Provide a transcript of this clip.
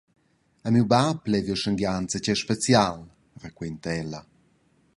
«A miu bab level jeu schenghegiar enzatgei special», raquenta ella.